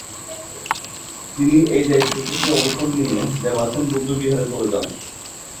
তিনি এই দায়িত্ব থেকে অবসর নিয়ে দেবাছেন বৌদ্ধবিহারে চলে যান।